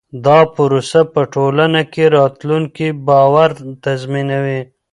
دا پروسه په ټولنه کې راتلونکی باور تضمینوي.